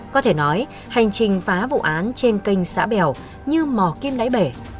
có thể nói hành trình phá vụ án trên kênh xã bèo như mò kim đáy bể